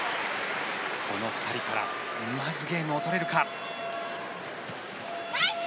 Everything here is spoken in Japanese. その２人からまず、ゲームを取れるか。